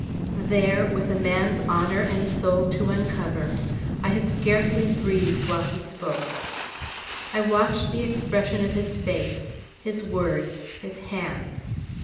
There, with a man's honor and soul to uncover, I had scarcely breathed while he spoke. I watched the expression of his face, his words, his hands.